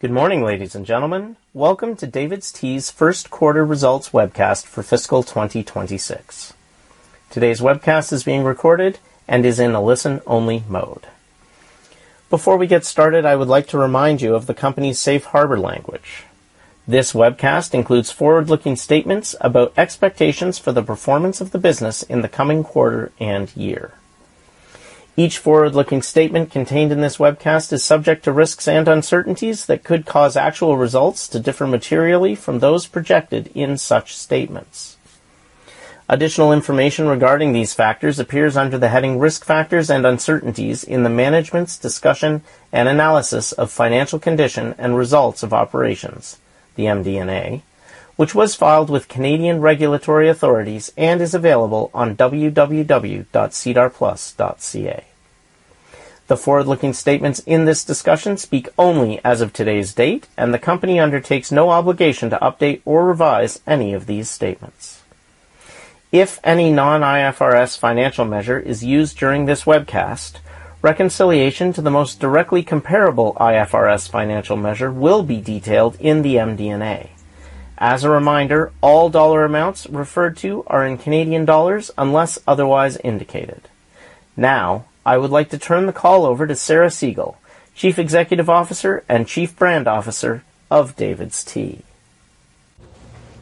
Good morning, ladies and gentlemen. Welcome to DAVIDsTEA's first quarter results webcast for fiscal 2026. Today's webcast is being recorded and is in a listen-only mode. Before we get started, I would like to remind you of the company's safe harbor language. This webcast includes forward-looking statements about expectations for the performance of the business in the coming quarter and year. Each forward-looking statement contained in this webcast is subject to risks and uncertainties that could cause actual results to differ materially from those projected in such statements. Additional information regarding these factors appears under the heading "Risk Factors and Uncertainties" in the management's discussion and analysis of financial condition and results of operations, the MD&A, which was filed with Canadian regulatory authorities and is available on www.sedarplus.ca. The forward-looking statements in this discussion speak only as of today's date, and the company undertakes no obligation to update or revise any of these statements. If any non-IFRS financial measure is used during this webcast, reconciliation to the most directly comparable IFRS financial measure will be detailed in the MD&A. As a reminder, all dollar amounts referred to are in Canadian dollars unless otherwise indicated. I would like to turn the call over to Sarah Segal, Chief Executive Officer and Chief Brand Officer of DAVIDsTEA.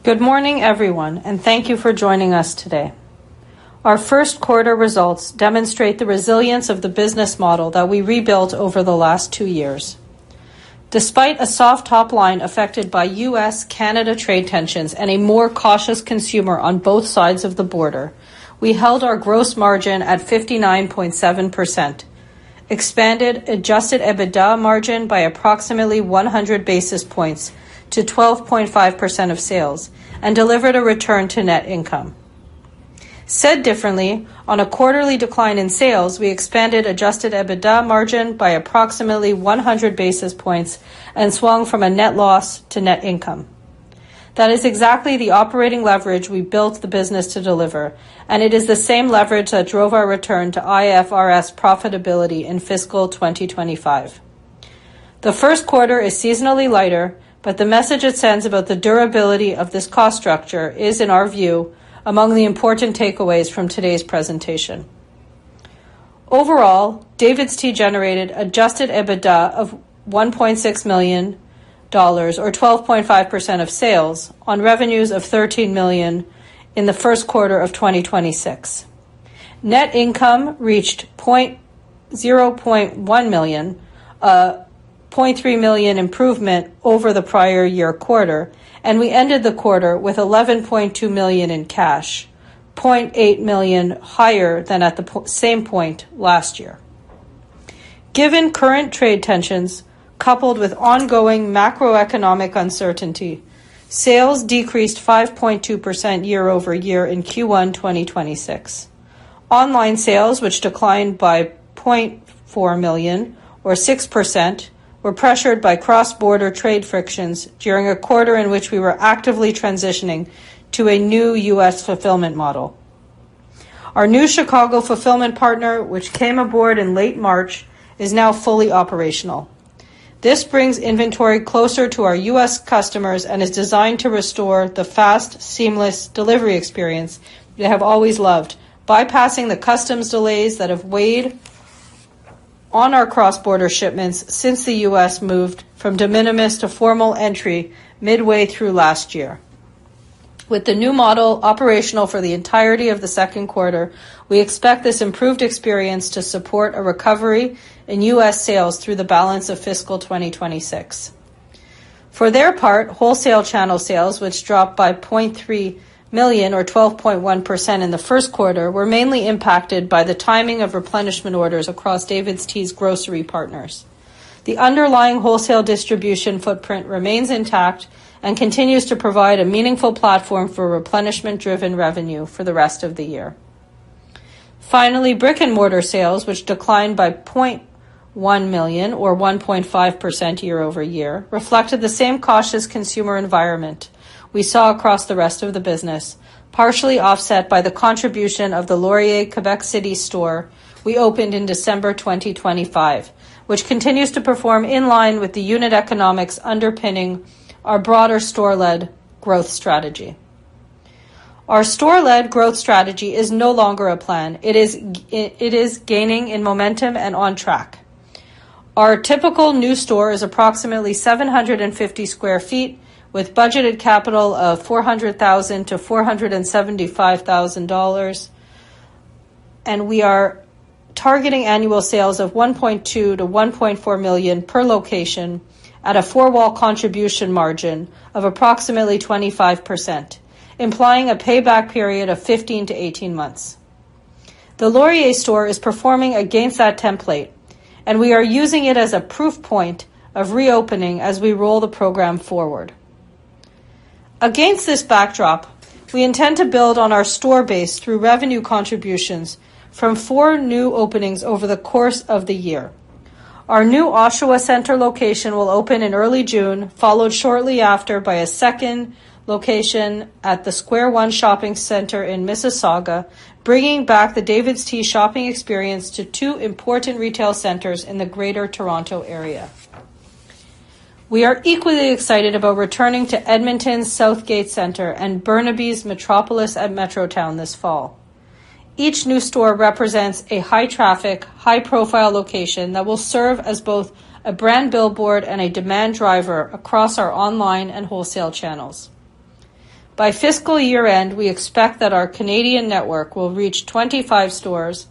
Good morning, everyone. Thank you for joining us today. Our first quarter results demonstrate the resilience of the business model that we rebuilt over the last two years. Despite a soft top line affected by U.S.-Canada trade tensions and a more cautious consumer on both sides of the border, we held our gross margin at 59.7%, expanded adjusted EBITDA margin by approximately 100 basis points to 12.5% of sales, and delivered a return to net income. Said differently, on a quarterly decline in sales, we expanded adjusted EBITDA margin by approximately 100 basis points and swung from a net loss to net income. That is exactly the operating leverage we built the business to deliver, and it is the same leverage that drove our return to IFRS profitability in fiscal 2025. The first quarter is seasonally lighter, but the message it sends about the durability of this cost structure is, in our view, among the important takeaways from today's presentation. Overall, DAVIDsTEA generated adjusted EBITDA of $1.6 million, or 12.5% of sales on revenues of 13 million in the first quarter of 2026. Net income reached 0.1 million, a 0.3 million improvement over the prior year quarter, and we ended the quarter with 11.2 million in cash, 0.8 million higher than at the same point last year. Given current trade tensions, coupled with ongoing macroeconomic uncertainty, sales decreased 5.2% year-over-year in Q1 2026. Online sales, which declined by 0.4 million or 6%, were pressured by cross-border trade frictions during a quarter in which we were actively transitioning to a new U.S. fulfillment model. Our new Chicago fulfillment partner, which came aboard in late March, is now fully operational. This brings inventory closer to our U.S. customers and is designed to restore the fast, seamless delivery experience they have always loved, bypassing the customs delays that have weighed on our cross-border shipments since the U.S. moved from de minimis to formal entry midway through last year. With the new model operational for the entirety of the second quarter, we expect this improved experience to support a recovery in U.S. sales through the balance of fiscal 2026. For their part, wholesale channel sales, which dropped by 0.3 million or 12.1% in the first quarter, were mainly impacted by the timing of replenishment orders across DAVIDsTEA's grocery partners. The underlying wholesale distribution footprint remains intact and continues to provide a meaningful platform for replenishment-driven revenue for the rest of the year. Finally, brick-and-mortar sales, which declined by 0.1 million or 1.5% year over year, reflected the same cautious consumer environment we saw across the rest of the business, partially offset by the contribution of the Laurier Quebec City store we opened in December 2025, which continues to perform in line with the unit economics underpinning our broader store-led growth strategy. Our store-led growth strategy is no longer a plan. It is gaining in momentum and on track. Our typical new store is approximately 750 sq ft with budgeted capital of $400,000-$475,000, and we are targeting annual sales of 1.2 million-1.4 million per location at a four-wall contribution margin of approximately 25%, implying a payback period of 15-18 months. The Laurier store is performing against that template, and we are using it as a proof point of reopening as we roll the program forward. Against this backdrop, we intend to build on our store base through revenue contributions from four new openings over the course of the year. Our new Oshawa Centre location will open in early June, followed shortly after by a second location at the Square One Shopping Centre in Mississauga, bringing back the DAVIDsTEA shopping experience to two important retail centers in the Greater Toronto Area. We are equally excited about returning to Edmonton's Southgate Centre and Burnaby's Metropolis at Metrotown this fall. Each new store represents a high-traffic, high-profile location that will serve as both a brand billboard and a demand driver across our online and wholesale channels. By fiscal year-end, we expect that our Canadian network will reach 25 stores,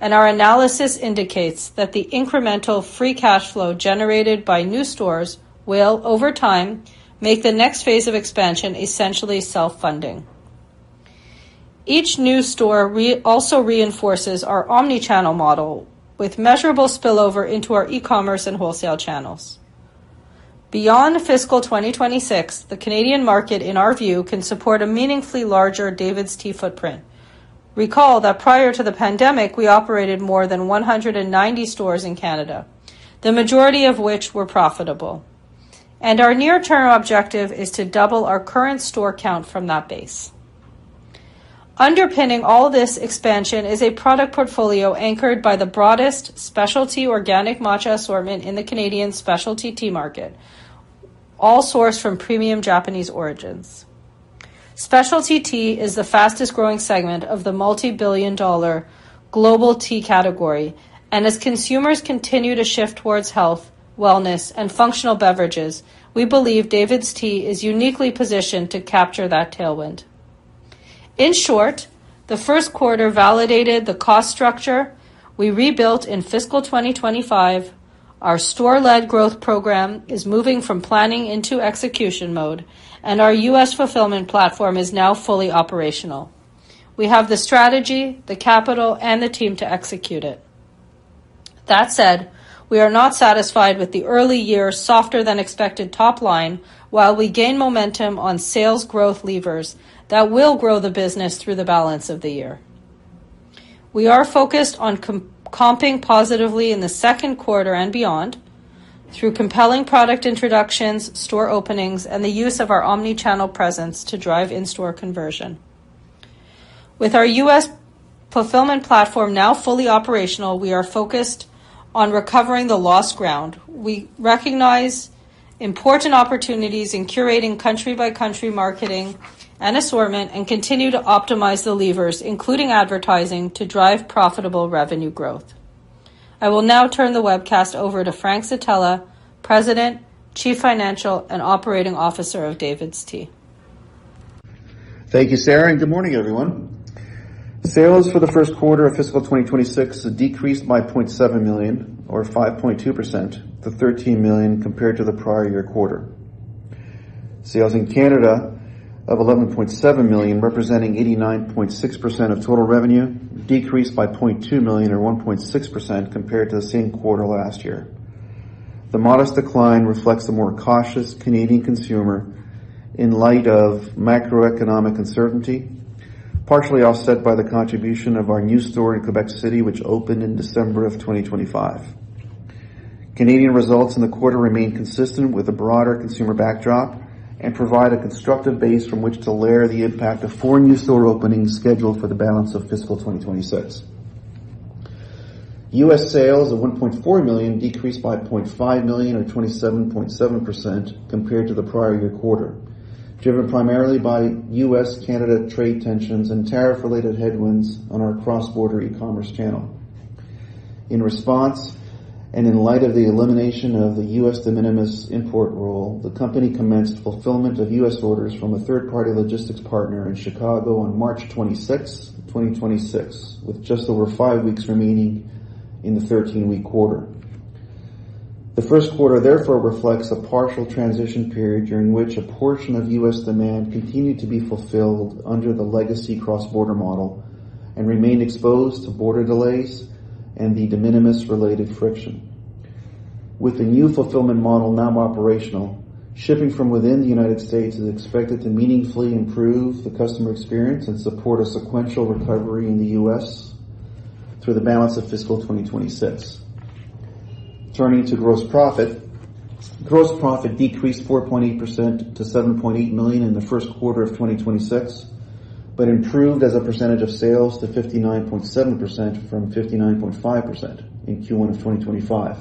and our analysis indicates that the incremental free cash flow generated by new stores will, over time, make the next phase of expansion essentially self-funding. Each new store also reinforces our omni-channel model with measurable spillover into our e-commerce and wholesale channels. Beyond fiscal 2026, the Canadian market, in our view, can support a meaningfully larger DAVIDsTEA footprint. Recall that prior to the pandemic, we operated more than 190 stores in Canada, the majority of which were profitable, and our near-term objective is to double our current store count from that base. Underpinning all this expansion is a product portfolio anchored by the broadest specialty organic matcha assortment in the Canadian specialty tea market, all sourced from premium Japanese origins. Specialty tea is the fastest-growing segment of the multi-billion-dollar global tea category. As consumers continue to shift towards health, wellness, and functional beverages, we believe DAVIDsTEA is uniquely positioned to capture that tailwind. In short, the first quarter validated the cost structure we rebuilt in fiscal 2025. Our store-led growth program is moving from planning into execution mode, and our U.S. fulfillment platform is now fully operational. We have the strategy, the capital, and the team to execute it. That said, we are not satisfied with the early year softer-than-expected top line while we gain momentum on sales growth levers that will grow the business through the balance of the year. We are focused on comping positively in the second quarter and beyond through compelling product introductions, store openings, and the use of our omni-channel presence to drive in-store conversion. With our U.S. fulfillment platform now fully operational, we are focused on recovering the lost ground. We recognize important opportunities in curating country-by-country marketing and assortment, and continue to optimize the levers, including advertising, to drive profitable revenue growth. I will now turn the webcast over to Frank Zitella, President, Chief Financial and Operating Officer of DAVIDsTEA. Thank you, Sarah, and good morning, everyone. Sales for the first quarter of fiscal 2026 decreased by 0.7 million or 5.2% to 13 million compared to the prior year quarter. Sales in Canada of 11.7 million, representing 89.6% of total revenue, decreased by 0.2 million or 1.6% compared to the same quarter last year. The modest decline reflects the more cautious Canadian consumer in light of macroeconomic uncertainty, partially offset by the contribution of our new store in Quebec City, which opened in December of 2025. Canadian results in the quarter remain consistent with the broader consumer backdrop and provide a constructive base from which to layer the impact of four new store openings scheduled for the balance of fiscal 2026. U.S. sales of 1.4 million decreased by 0.5 million or 27.7% compared to the prior year quarter, driven primarily by U.S.-Canada trade tensions and tariff-related headwinds on our cross-border e-commerce channel. In response, and in light of the elimination of the U.S. de minimis import rule, the company commenced fulfillment of U.S. orders from a third-party logistics partner in Chicago on March 26th, 2026, with just over five weeks remaining in the 13-week quarter. The first quarter therefore reflects a partial transition period during which a portion of U.S. demand continued to be fulfilled under the legacy cross-border model and remained exposed to border delays and the de minimis-related friction. With the new fulfillment model now operational, shipping from within the United States is expected to meaningfully improve the customer experience and support a sequential recovery in the U.S. through the balance of fiscal 2026. Turning to gross profit. Gross profit decreased 4.8% to 7.8 million in the first quarter of 2026, but improved as a percentage of sales to 59.7% from 59.5% in Q1 of 2025.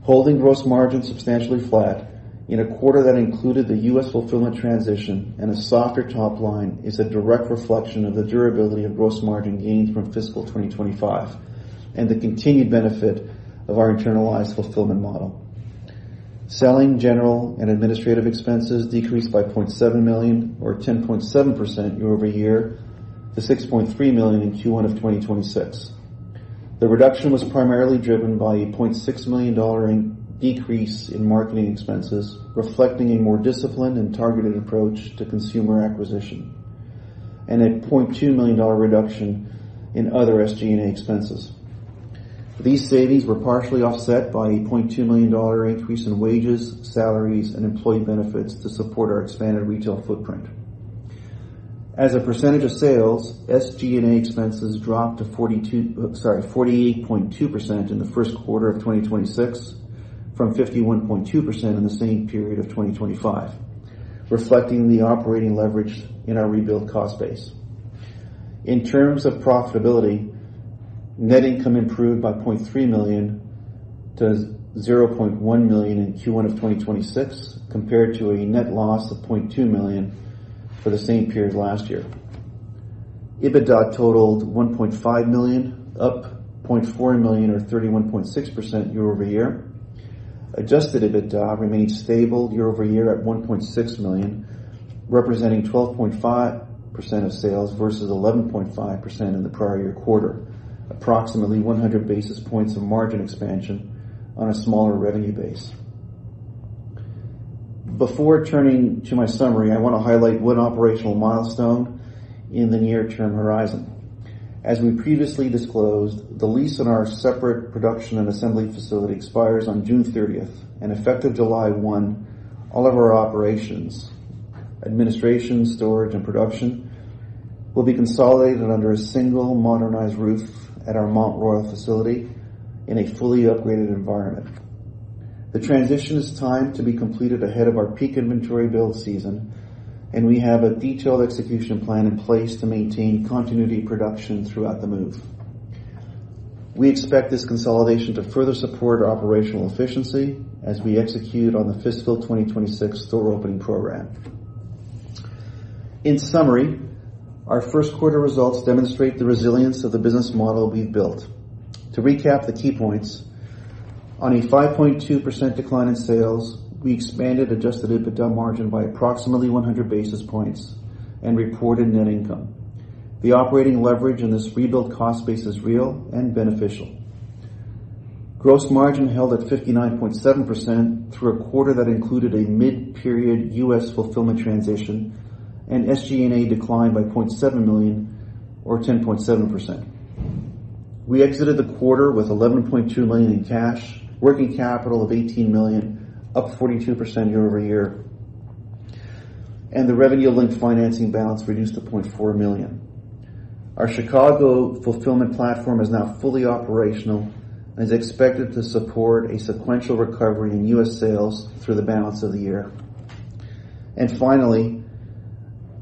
Holding gross margin substantially flat in a quarter that included the U.S. fulfillment transition and a softer top line is a direct reflection of the durability of gross margin gains from fiscal 2025 and the continued benefit of our internalized fulfillment model. Selling, general, and administrative expenses decreased by 0.7 million or 10.7% year-over-year to 6.3 million in Q1 of 2026. The reduction was primarily driven by a CAD 0.6 million decrease in marketing expenses, reflecting a more disciplined and targeted approach to consumer acquisition, and a 0.2 million dollar reduction in other SG&A expenses. These savings were partially offset by a 0.2 million dollar increase in wages, salaries, and employee benefits to support our expanded retail footprint. As a percentage of sales, SG&A expenses dropped to 48.2% in the first quarter of 2026 from 51.2% in the same period of 2025, reflecting the operating leverage in our rebuilt cost base. In terms of profitability, net income improved by 0.3 million to 0.1 million in Q1 of 2026, compared to a net loss of 0.2 million for the same period last year. EBITDA totaled 1.5 million, up 0.4 million or 31.6% year-over-year. Adjusted EBITDA remained stable year-over-year at 1.6 million, representing 12.5% of sales versus 11.5% in the prior year quarter, approximately 100 basis points of margin expansion on a smaller revenue base. Before turning to my summary, I want to highlight one operational milestone in the near-term horizon. As we previously disclosed, the lease on our separate production and assembly facility expires on June 30th, and effective July 1, all of our operations, administration, storage, and production, will be consolidated under a single modernized roof at our Mont Royal facility in a fully upgraded environment. The transition is timed to be completed ahead of our peak inventory build season, and we have a detailed execution plan in place to maintain continuity production throughout the move. We expect this consolidation to further support operational efficiency as we execute on the fiscal 2026 store opening program. In summary, our first quarter results demonstrate the resilience of the business model we've built. To recap the key points, on a 5.2% decline in sales, we expanded adjusted EBITDA margin by approximately 100 basis points and reported net income. The operating leverage in this rebuilt cost base is real and beneficial. Gross margin held at 59.7% through a quarter that included a mid-period U.S. fulfillment transition, and SG&A declined by 0.7 million or 10.7%. We exited the quarter with 11.2 million in cash, working capital of 18 million, up 42% year-over-year, and the revenue-linked financing balance reduced to 0.4 million. Our Chicago fulfillment platform is now fully operational and is expected to support a sequential recovery in U.S. sales through the balance of the year. Finally,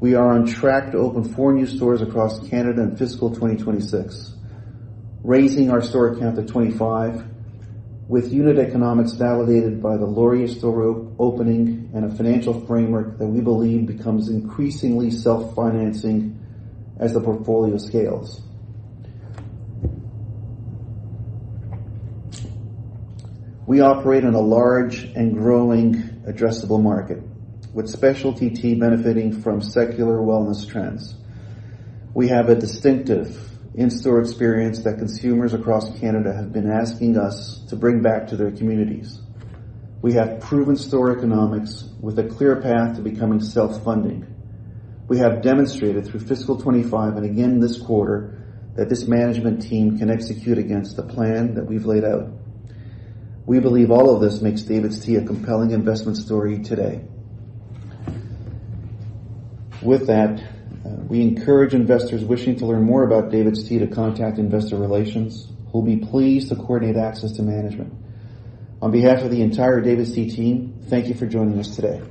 we are on track to open four new stores across Canada in fiscal 2026, raising our store count to 25 with unit economics validated by the Laurier store opening and a financial framework that we believe becomes increasingly self-financing as the portfolio scales. We operate in a large and growing addressable market with specialty tea benefiting from secular wellness trends. We have a distinctive in-store experience that consumers across Canada have been asking us to bring back to their communities. We have proven store economics with a clear path to becoming self-funding. We have demonstrated through fiscal 2025, and again this quarter, that this management team can execute against the plan that we've laid out. We believe all of this makes DAVIDsTEA a compelling investment story today. We encourage investors wishing to learn more about DAVIDsTEA to contact investor relations, who will be pleased to coordinate access to management. On behalf of the entire DAVIDsTEA team, thank you for joining us today.